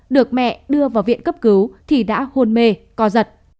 được mẹ đưa vào viện cấp cứu thì đã hôn mê co giật